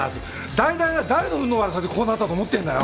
大体な誰の運の悪さでこうなったと思ってんだよ。